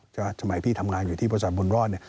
สมัยพี่ทำงานอยู่ที่บริษัทบุญรอดเนี่ย